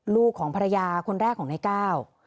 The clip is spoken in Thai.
ลูกของภรรยาคนแรกของในก้าว